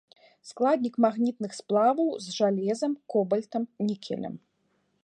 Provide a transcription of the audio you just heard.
Складнік магнітных сплаваў з жалезам, кобальтам, нікелем.